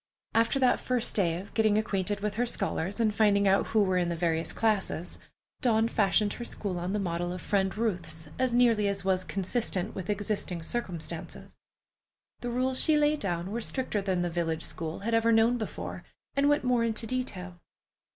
After that first day of getting acquainted with her scholars, and finding out who were in the various classes, Dawn fashioned her school on the model of Friend Ruth's as nearly as was consistent with existing circumstances. The rules she laid down were stricter than the village school had ever known before, and went more into detail.